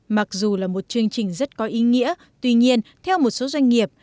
mặc dù là một chương trình rất có ý nghĩa tuy nhiên theo một số doanh nghiệp